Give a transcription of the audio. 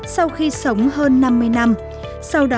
sau khi sống hơn năm mươi năm sau đó mang đi sẻ gỗ ra thành những miếng nhỏ